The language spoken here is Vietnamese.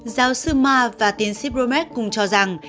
giáo sư mark và tiến sĩ bromack cũng nói rằng